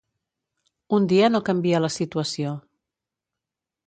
Un dia no canvia la situació.